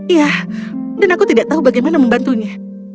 ya dan aku tidak tahu bagaimana membantunya